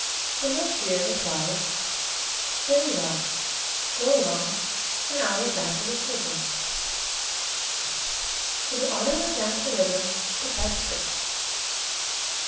The Mouse deer replied, "Very well! go along, and I'll look after the children." So the Otter went down to the river to catch fish.